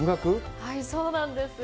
はい、そうなんですよ。